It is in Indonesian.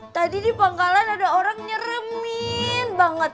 tadi di pangkalan ada orang nyerem nih